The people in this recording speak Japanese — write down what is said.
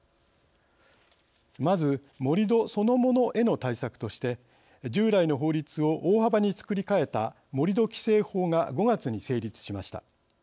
まず盛り土そのものへの対策として従来の法律を大幅に作り替えた盛土規制法が５月に成立しました。